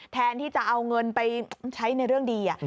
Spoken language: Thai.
แทนที่จะเอาเงินไปใช้ในเรื่องดี